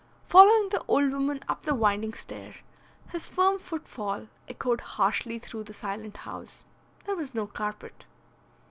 Following the old woman up the winding stair, his firm footfall echoed harshly through the silent house. There was no carpet.